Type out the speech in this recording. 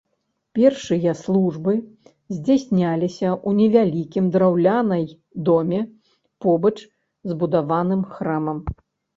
Першыя службы здзяйсняліся ў невялікім драўлянай доме побач з будаваным храмам.